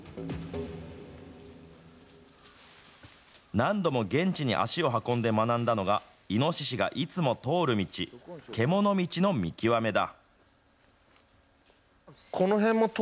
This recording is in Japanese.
何度も現地に足を運んで学んだのが、イノシシがいつも通る道、獣道の見極めだ。